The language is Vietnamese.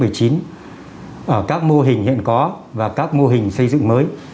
ở các mô hình hiện có và các mô hình xây dựng mới